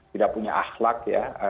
tidak punya ahlak